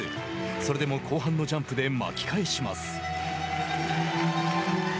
それでも後半のジャンプで巻き返します。